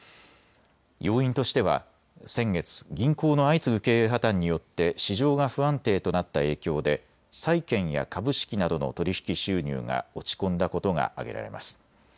要因としては先月、銀行の相次ぐ経営破綻によって市場が不安定となった影響で債券や株式などの取り引き収入が落ちこんだことが挙げられます。